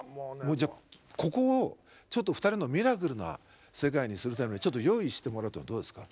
じゃあここをちょっと２人のミラクルな世界にするためにちょっと用意してもらうってどうですか？